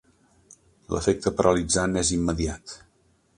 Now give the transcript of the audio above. L'efecte paralitzant és immediat.